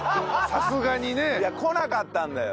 さすがにね。いや来なかったんだよ。